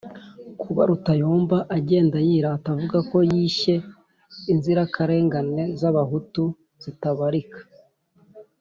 Kuba Rutayomba agenda yirata avuga ko yishye inzirakarengane z'Abahutu zitabarika,